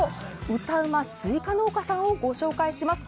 歌うまスイカ農家さんをご紹介します。